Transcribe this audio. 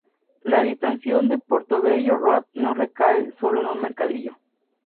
La distinción de Portobello Road no recae sólo en su mercadillo.